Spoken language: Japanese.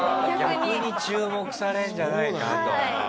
逆に注目されんじゃないかと。